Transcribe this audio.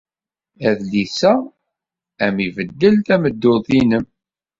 Adlis-a ad am-ibeddel tameddurt-nnem.